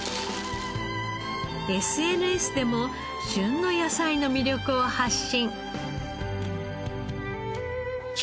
ＳＮＳでも旬の野菜の魅力を発信。